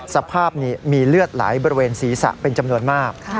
สภาพนี้มีเลือดไหลบริเวณศีรษะเป็นจำนวนมาก